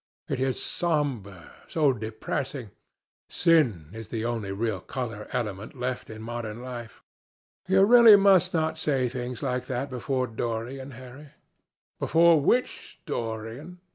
It is so sombre, so depressing. Sin is the only real colour element left in modern life." "You really must not say things like that before Dorian, Harry." "Before which Dorian?